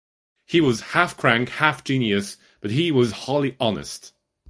He was half crank, half genius, but he was wholly honest.